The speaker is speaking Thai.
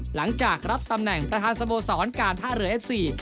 หลังจากรับตำแหน่งประธานสโมสรการท่าเรือเอฟซี